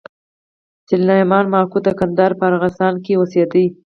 سلېمان ماکو د کندهار په ارغسان کښي اوسېدئ.